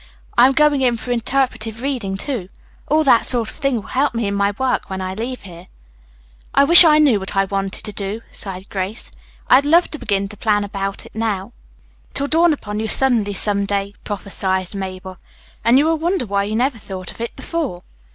I'm going in for interpretative reading, too. All that sort of thing will help me in my work when I leave here." "I wish I knew what I wanted to do," sighed Grace. "I'd love to begin to plan about it now." "It will dawn upon you suddenly some day," prophesied Mabel, "and you will wonder why you never thought of it before."